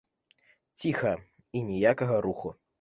Ціха, і ніякага руху.